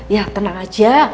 ya tenang aja